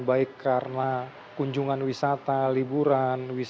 baik karena kunjungan wisata liburan